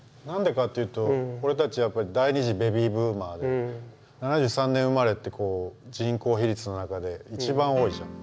何でかっていうと俺たちやっぱり第２次ベビーブーマーで７３年生まれってこう人口比率の中で一番多いじゃん。